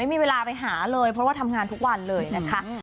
ไม่มีเวลาไปหาเลยเพราะว่าทำงานทุกวันเลยนะคะ